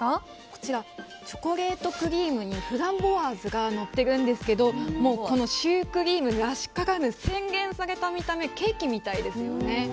こちらチョコレートクレームにフランボワーズがのっているんですけどこのシュークリームらしからぬ洗練された見た目ケーキみたいですよね。